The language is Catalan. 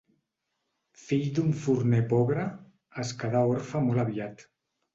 Fill d'un forner pobre, es quedà orfe molt aviat.